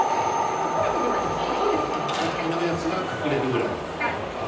隠れていればいいんですね。